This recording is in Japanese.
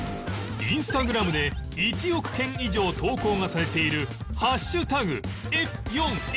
インスタグラムで１億件以上投稿がされている「＃ｆ４ｆ」の意味とは？